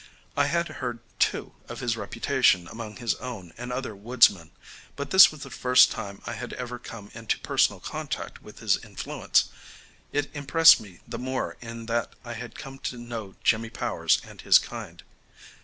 I had heard, too, of his reputation among his own and other woodsmen. But this was the first time I had ever come into personal contact with his influence. It impressed me the more in that I had come to know Jimmy Powers and his kind.